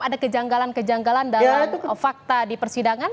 ada kejanggalan kejanggalan dalam fakta di persidangan